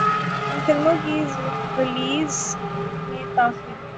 ان فلموں کی ریلیز میں تاخیر